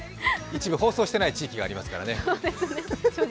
一部放送してない地域がありますからね。